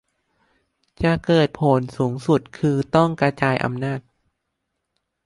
จะเกิดผลสูงสุดคือต้องกระจายอำนาจ